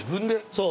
そう。